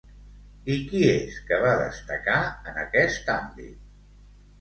I qui és que va destacar en aquest àmbit?